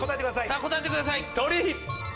さぁ答えてください。